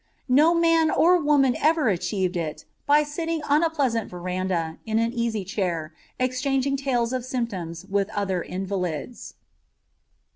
No man or woman ever achieved it by sitting on a pleasant veranda in an easy chair exchanging tales of symptoms with other invalids.